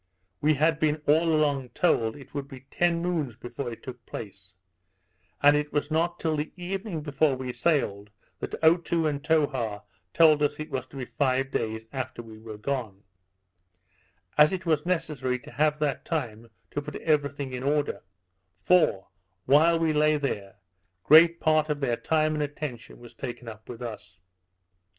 We had been all along told, it would be ten moons before it took place; and it was not till the evening before we sailed, that Otoo and Towha told us it was to be in five days after we were gone; as if it were necessary to have that time to put every thing in order; for, while we lay there, great part of their time and attention was taken up with us.